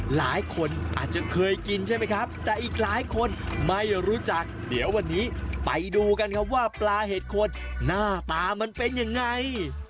หลายคนอาจจะเคยกินใช่ไหมครับแต่อีกหลายคนไม่รู้จักเดี๋ยววันนี้ไปดูกันครับว่าปลาเห็ดโคนหน้าตามันเป็นยังไง